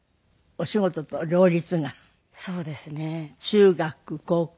中学高校？